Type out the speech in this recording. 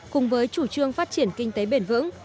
cùng với chủ trương phát triển kinh tế bền vững